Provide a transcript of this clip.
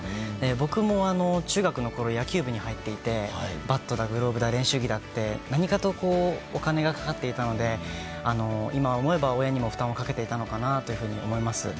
僕も、中学のころ野球部に入っていてバットだ、グローブだ練習着だと何かとお金がかかっていたので今思えば親にも負担をかけていたのかなと思います。